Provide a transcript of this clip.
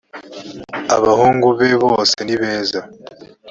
abahungu be bose nibeza